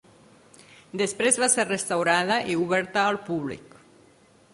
Després va ser restaurada i oberta al públic.